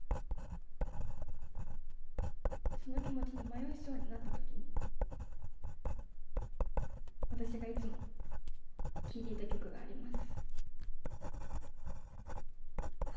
その気持ちに迷いそうになった時に私がいつも聴いていた曲があります。